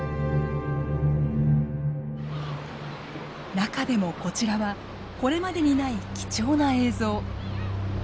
中でもこちらはこれまでにない貴重な映像。